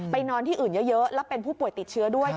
นอนที่อื่นเยอะแล้วเป็นผู้ป่วยติดเชื้อด้วย